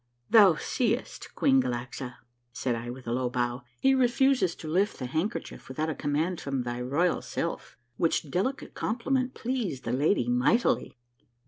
" Thou seest, Queen Galaxa," said I with a low bow, " he refuses to lift the handkerchief without a command from thy royal self," which delicate compliment pleased the lady mightily.